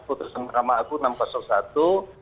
putusan mahkamah agung enam ratus satu